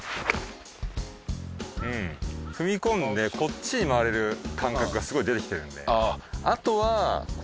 踏み込んでこっちに回れる感覚がすごい出てきてるんで。